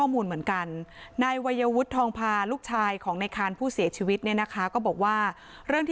ไม่ถึงว่าเขามีความผิดไปได้ไหมที่พ่อกับแม่เคยทำร้ายร่างกายหรือไม่